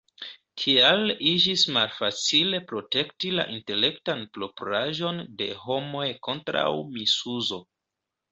Tial iĝis malfacile protekti la "intelektan propraĵon" de homoj kontraŭ misuzo.